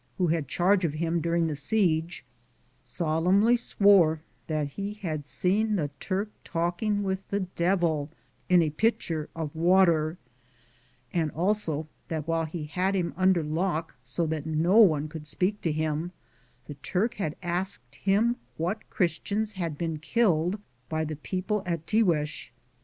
83 ,„■,,„ Google THE JOURNEY OP COBONADO who had charge of him during the siege, solemnly swore that he had Been the Turk talking with the devil in a pitcher of water, and also that while he had him under lock so that no one could speak to him, the Turk had asked him what Christians had been killed by the people at Tiguex.